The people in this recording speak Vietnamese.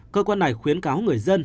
cơ quan này khuyến cáo người dân